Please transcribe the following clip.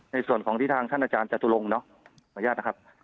ในส่วนของที่ทางท่านอาจารย์จตุลงเนาะขออนุญาตนะครับ